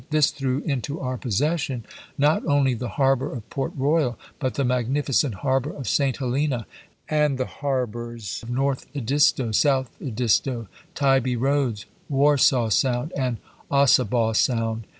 This threw into our possession not only the harbor of Port Royal, but the magnificent harbor of St. Helena, and the har bors of North Edisto, South Edisto, Tybee Roads, War saw Sound, and Ossabaw Sound.